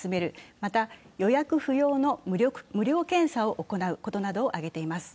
また、予約不要の無料検査を行うことなどを挙げています。